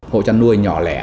hội chăn nuôi nhỏ lẻ